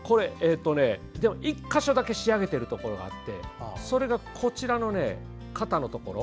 １か所だけ仕上げているところがあってそれが、こちらの肩のところ。